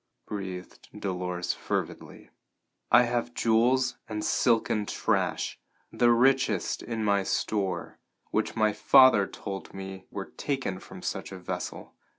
breathed Dolores fervidly. "I have jewels and silken trash, the richest in my store, which my father told me were taken from such a vessel.